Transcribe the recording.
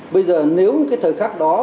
bây giờ nếu cái thời khắc đó